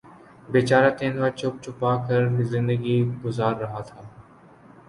بیچارہ تیندوا چھپ چھپا کر زندگی گزار رہا تھا